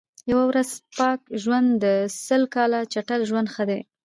یوه ورځ پاک ژوند تر سل کال چټل ژوند ښه دئ.